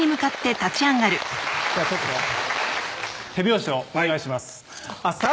じゃあちょっと手拍子をお願いします